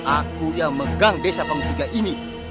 aku yang megang desa panggung tiga ini